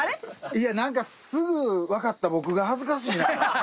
いやなんかすぐわかった僕が恥ずかしいな。